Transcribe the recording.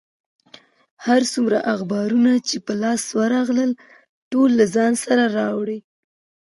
هر څومره اخبارونه چې په لاس ورغلل، ټول له ځان سره راوړي.